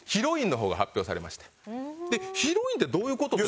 でヒロインってどういう事？って。